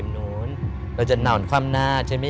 โปรดติดตามต่อไป